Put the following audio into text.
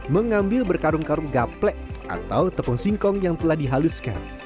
mengambil berkarung karung gaplek atau tepung singkong yang telah dihaluskan